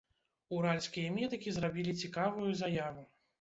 Уральскія медыкі зрабілі цікавую заяву.